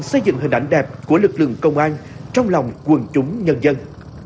xây dựng hình ảnh đẹp của lực lượng công an trong lòng quần chúng nhân dân